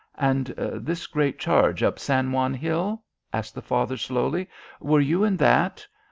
"And this great charge up San Juan Hill?" asked, the father slowly. "Were you in that?"